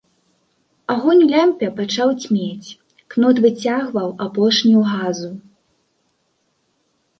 Агонь у лямпе пачаў цьмець, кнот выцягваў апошнюю газу.